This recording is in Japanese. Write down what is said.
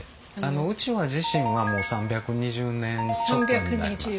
うちわ自身はもう３２０年ちょっとになります。